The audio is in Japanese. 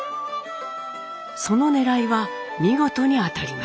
そのねらいは見事に当たります。